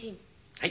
はい。